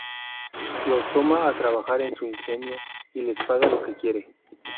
Los toma a trabajar en su ingenio y les paga lo que quiere.